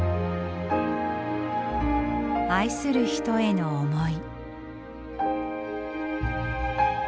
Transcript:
愛する人への思い。